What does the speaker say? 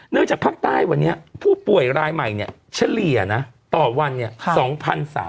จากภาคใต้วันนี้ผู้ป่วยรายใหม่เนี่ยเฉลี่ยนะต่อวันเนี่ย